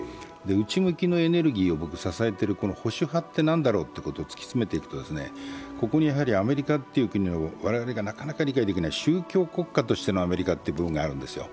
内向きのエネルギーを支えている保守派ってなんだろうと突き詰めていくとここにアメリカという国の我々がなかなか理解できない宗教国家というところがあるんですよ。